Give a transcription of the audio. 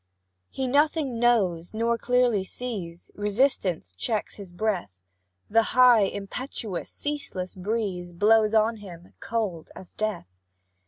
He nothing knows nor clearly sees, Resistance checks his breath, The high, impetuous, ceaseless breeze Blows on him cold as death.